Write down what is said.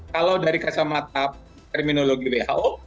kalau dari kacamata terminologi who